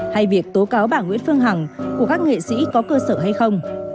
hay việc tố cáo bà nguyễn phương hằng của các nghệ sĩ có cơ sở hay không